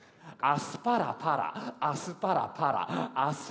「アスパラパラアスパラガス」